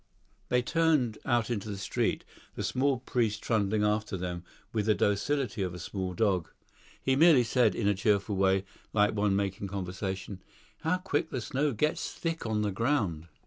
They turned out into the street, the small priest trundling after them with the docility of a small dog. He merely said, in a cheerful way, like one making conversation, "How quick the snow gets thick on the ground."